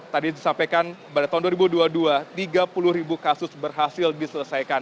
tadi disampaikan pada tahun dua ribu dua puluh dua tiga puluh ribu kasus berhasil diselesaikan